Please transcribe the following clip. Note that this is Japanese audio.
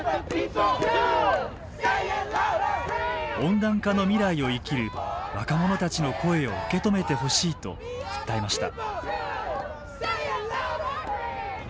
温暖化の未来を生きる若者たちの声を受け止めてほしいと訴えました。